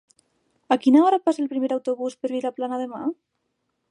A quina hora passa el primer autobús per Vilaplana demà?